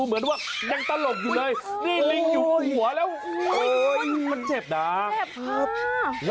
วิทยาลัยศาสตร์อัศวิทยาลัยศาสตร์